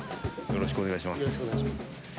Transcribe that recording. よろしくお願いします。